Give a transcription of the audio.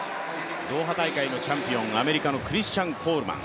ドーハ大会のチャンピオン、アメリカのクリスチャン・コールマン。